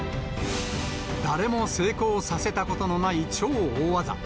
誰も成功させたことのない超大技。